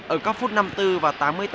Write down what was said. ở các phút năm mươi bốn và tám mươi tám